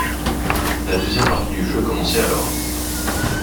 La deuxième partie du jeu commençait alors.